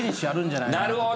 なるほど！